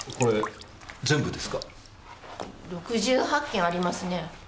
６８件ありますね。